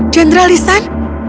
general li shan